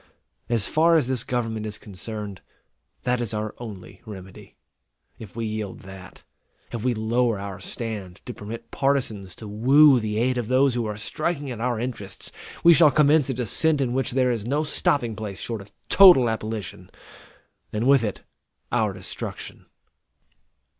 As far as this government is concerned, that is our only remedy. If we yield that, if we lower our stand to permit partisans to woo the aid of those who are striking at our interests, we shall commence a descent in which there is no stopping place short of total abolition, and with it our destruction.